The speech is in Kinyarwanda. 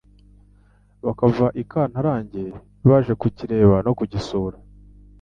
bakava ikantarange baje kukireba no kugisura,